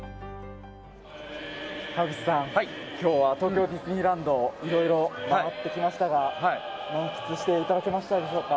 濱口さん、今日は東京ディズニーランドをいろいろ回ってきましたが満喫していただけましたでしょうか？